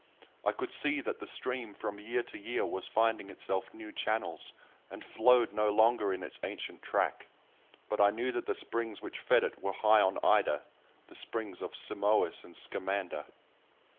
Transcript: I could see that the stream from year to year was finding itself new channels, and flowed no longer in its ancient track, but I knew that the springs which fed it were high on Ida—the springs of Simois and Scamander!